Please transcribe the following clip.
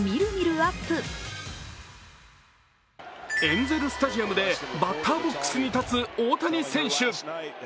エンゼルスタジアムでバッターボックスに立つ大谷選手。